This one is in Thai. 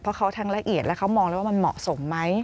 เพราะเขาทั้งละเอียดแล้วเขามองแล้วว่ามันเหมาะสมไหม